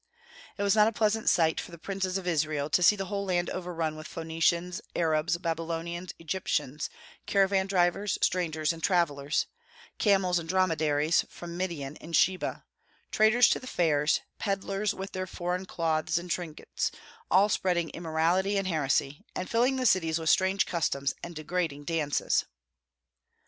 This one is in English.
It was not a pleasant sight for the princes of Israel to see the whole land overrun with Phoenicians, Arabs, Babylonians, Egyptians, caravan drivers, strangers and travellers, camels and dromedaries from Midian and Sheba, traders to the fairs, pedlers with their foreign cloths and trinkets, all spreading immorality and heresy, and filling the cities with strange customs and degrading dances.